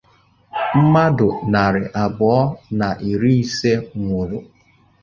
mmadụ narị abụọ na iri ise nwụrụ